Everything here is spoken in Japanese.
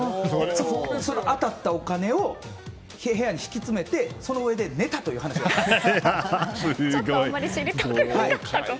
その当たったお金を部屋に敷き詰めてその上で寝たという話があります。